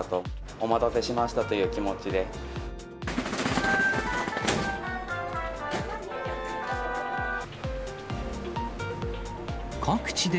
お待たせしましたという気持ちで。